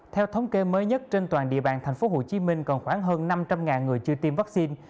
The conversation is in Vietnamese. theo thống kê mới nhất trên toàn địa bàn tp hcm còn khoảng hơn năm trăm linh người chưa tiêm vaccine